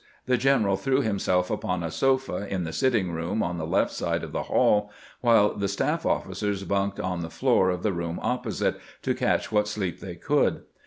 The general threw himself upon a sofa in the sitting room on the left side of the hall, while the staff officers bunked on the floor of the room opposite, to catch what sleep they could.